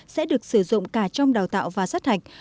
sẽ được sử dụng cả trong đào tạo và sát hạch